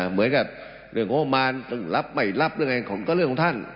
เหมือนกับเรื่องของโมมันรับไม่รับเรื่องยังไงก็เรื่องของท่าน